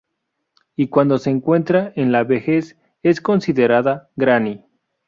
Y cuando se encuentra en la vejez es considerada Granny.